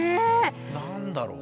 何だろう。